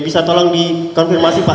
bisa tolong dikonfirmasi pak